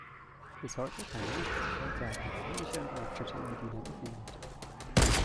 Bis heute kann niemand mit Sicherheit sagen, wo sich ihre Grabstätte in Medina befindet.